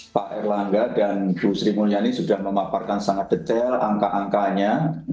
pak erlangga dan bu sri mulyani sudah memaparkan sangat detail angka angkanya